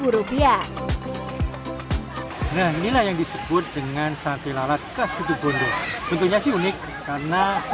lima belas rupiah nah inilah yang disebut dengan sate lalat kasih kebun bentuknya sih unik karena